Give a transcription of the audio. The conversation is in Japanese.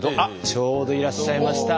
ちょうどいらっしゃいました！